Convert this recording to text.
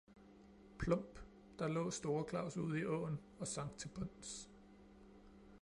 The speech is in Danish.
Plump! Der lå store Claus ude i åen og sank ned til bunds.